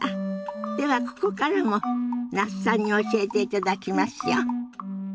ではここからも那須さんに教えていただきますよ。